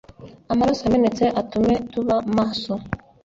Amaraso yamenetse atume tuba maso